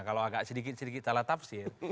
kalau agak sedikit sedikit salah tafsir